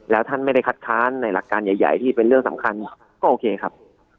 แล้วท่านไม่ได้คัดค้านในหลักการใหญ่ที่เป็นเรื่องสำคัญก็โอเคครับ